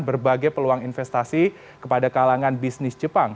berbagai peluang investasi kepada kalangan bisnis jepang